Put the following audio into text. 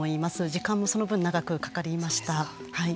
時間もその分長くかかりました。